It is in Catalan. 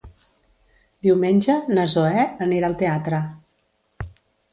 Diumenge na Zoè anirà al teatre.